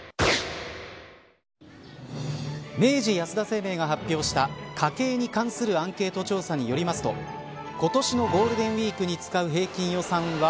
明治安田生命が発表した家計に関するアンケート調査によりますと今年のゴールデンウイークに使う平均予算は。